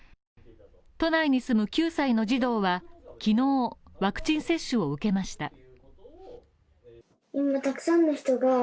都内に住む９歳の児童は昨日、ワクチン接種を受けました。